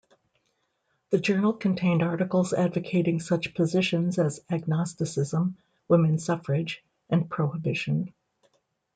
The journal contained articles advocating such positions as agnosticism, women's suffrage, and prohibition.